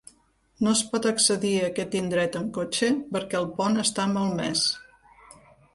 No es pot accedir a aquest indret en cotxe perquè el pont està malmès.